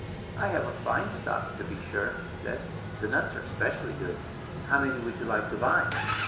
"I have a fine stock, to be sure," he said. "The nuts are specially good. How many would you like to buy?"